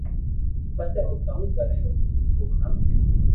پسي او ڪاوُ ڪري اوي نہ